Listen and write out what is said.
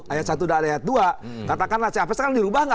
ayat dua katakanlah c apa sekarang dirubah nggak